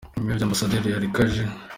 Nyuma y’ibyo, Ambasaderi , Erica J.